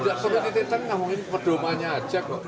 tidak kementerian ketengah ngomongin perdomanya aja kok